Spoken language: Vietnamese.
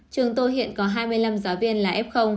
trường tôi hiện có hai mươi năm giáo viên là f